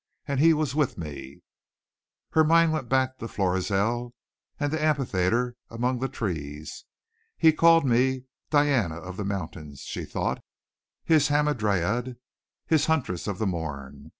And he was with me." Her mind went back to Florizel and the amphitheatre among the trees. "He called me 'Diana of the Mountains,'" she thought, "his 'hamadryad,' his 'huntress of the morn.'"